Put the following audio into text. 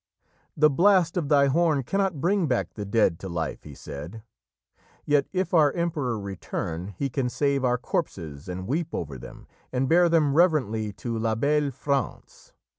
"The blast of thy horn cannot bring back the dead to life," he said. "Yet if our Emperor return he can save our corpses and weep over them and bear them reverently to la belle France.